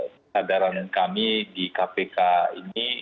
kesadaran kami di kpk ini